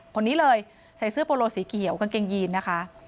คนนี้เลยใส่เสื้อโปโลสีเขียวกางเกงยีนนะคะ